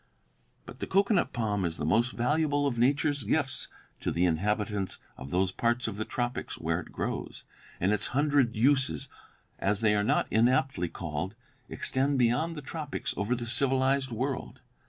But 'the cocoanut palm is the most valuable of Nature's gifts to the inhabitants of those parts of the tropics where it grows, and its hundred uses, as they are not inaptly called, extend beyond the tropics over the civilized world.